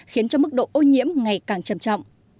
khiến cho mức độ ô nhiễm ngày càng trầm trọng